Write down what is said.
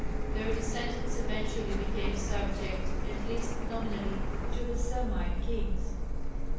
Their descendants eventually became subject, at least nominally, to the Semite kings.